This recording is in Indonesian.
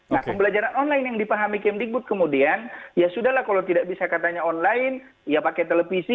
nah pembelajaran online yang dipahami kemdikbud kemudian ya sudah lah kalau tidak bisa katanya online ya pakai televisi